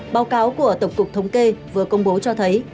báo cáo của tổng cục thống kê vừa công bố cho thấy